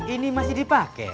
ini masih dipake